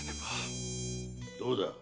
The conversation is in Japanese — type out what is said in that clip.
どうだ？